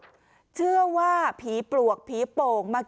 หญิงบอกว่าจะเป็นพี่ปวกหญิงบอกว่าจะเป็นพี่ปวก